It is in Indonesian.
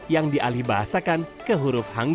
yang dialih bahasakan ke huruf hangat